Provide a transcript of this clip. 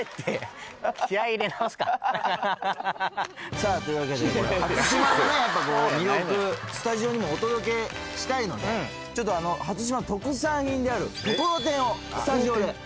さぁというわけでこれ初島のねやっぱ魅力スタジオにもお届けしたいので初島の特産品であるところてんをスタジオで。